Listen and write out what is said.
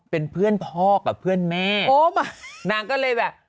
เป็นเพื่อนพ่อกับเพื่อนแม่โอ้มานางก็เลยแบบ